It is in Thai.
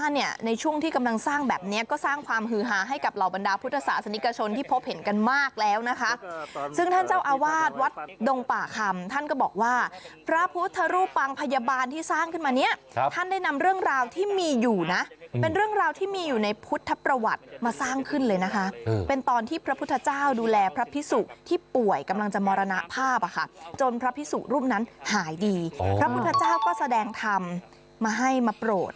เนี่ยก็สร้างความฮือหาให้กับเหล่าบรรดาพุทธศาสนิกชนที่พบเห็นกันมากแล้วนะคะซึ่งท่านเจ้าอาวาทวัดดงป่าคำท่านก็บอกว่าพระพุทธรูปังพยาบาลที่สร้างขึ้นมาเนี่ยท่านได้นำเรื่องราวที่มีอยู่นะเป็นเรื่องราวที่มีอยู่ในพุทธประวัติมาสร้างขึ้นเลยนะคะเป็นตอนที่พระพุทธเจ้าดูแลพระพิสุที่ป